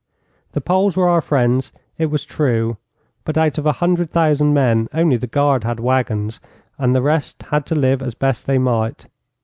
The Poles were our friends, it was true, but out of a hundred thousand men, only the Guard had waggons, and the rest had to live as best they might.